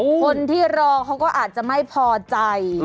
คนที่รอเขาก็อาจจะไม่พอใจ